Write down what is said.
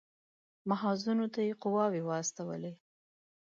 محاذونو ته یې قواوې واستولې.